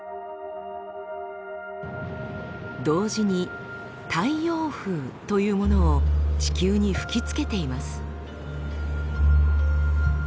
同時に「太陽風」というものを地球に吹きつけています。